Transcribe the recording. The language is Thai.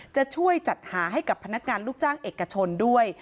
จะช่วยจัดหาให้กับพนักงานลูกจ้างเอกชนด้วย